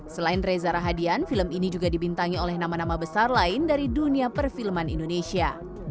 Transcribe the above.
selain reza rahadian film ini juga dibintangi oleh nama nama besar lain dari dunia perfilman indonesia